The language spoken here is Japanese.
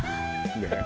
ねえ。